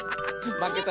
まけたよ。